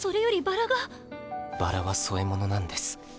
バラは添え物なんです。